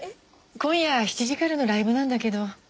今夜７時からのライブなんだけど。